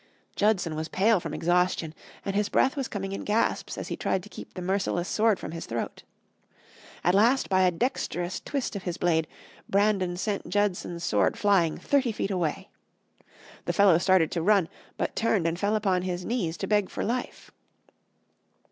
Judson was pale from exhaustion, and his breath was coming in gasps as he tried to keep the merciless sword from his throat. At last, by a dexterous twist of his blade, Brandon sent Judson's sword flying thirty feet away. The fellow started to run, but turned and fell upon his knees to beg for life.